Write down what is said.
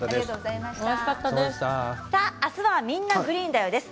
明日は「みんな！グリーンだよ」です。